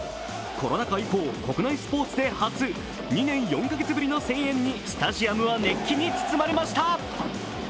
コロナ禍以降、国内スポーツで初、２年４カ月ぶりの声援にスタジアムは熱気に包まれました。